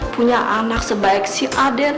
punya anak sebaik si aden